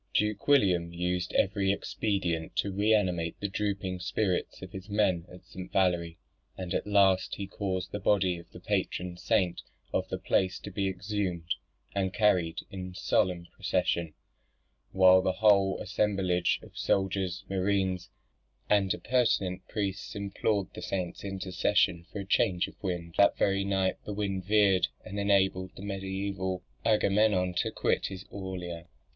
Duke William used every expedient to re animate the drooping spirits of his men at St. Valery; and at last he caused the body of the patron saint of the place to be exhumed and carried in solemn procession, while the whole assemblage of soldiers, mariners, and appurtenant priests implored the saint's intercession for a change of wind. That very night the wind veered, and enabled the mediaeval Agamemnon to quit his Aulia.